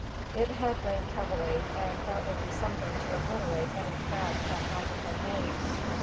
It had rained heavily, and that would do something to obliterate any tracks that might have been made.